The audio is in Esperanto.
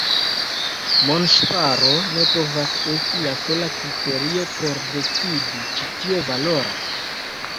Monŝparo ne povas esti la sola kriterio por decidi, ĉu tio valoras.